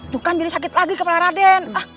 tuh kan jadi sakit lagi kepala raden